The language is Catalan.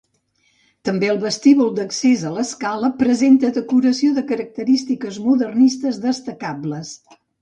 També el vestíbul d'accés a l'escala presenta decoració de característiques modernistes destacables.